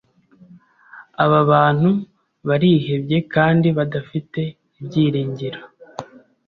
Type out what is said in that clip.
Aba bantu barihebye kandi badafite ibyiringiro.